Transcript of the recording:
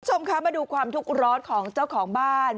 คุณผู้ชมคะมาดูความทุกข์ร้อนของเจ้าของบ้าน